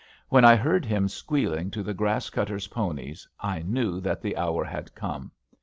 When I heard him squealing to the grass cutter's ponies I knew that the hour had come.